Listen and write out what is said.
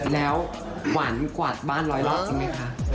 แล้วหวานกวาดบ้านร้อยรอบใช่ไหมคะ